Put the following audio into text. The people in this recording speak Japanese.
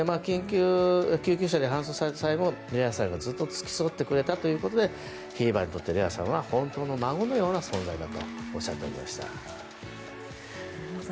救急車に搬送された際もレアさんがずっと付き添ってくれたということでひーばにとって、レアさんは本当の孫のような存在だとおっしゃっていました。